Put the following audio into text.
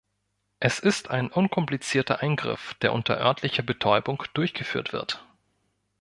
Es ist ein unkomplizierter Eingriff, der unter örtlicher Betäubung durchgeführt wird.